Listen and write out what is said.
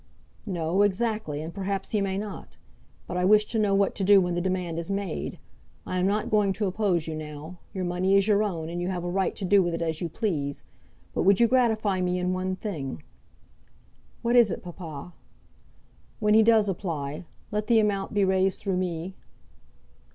"No, exactly; and perhaps he may not; but I wish to know what to do when the demand is made. I am not going to oppose you now; your money is your own, and you have a right to do with it as you please; but would you gratify me in one thing?" "What is it, papa?" "When he does apply, let the amount be raised through me?"